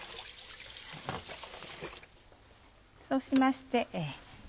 そうしまして。